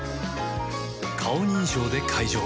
顔認証で解錠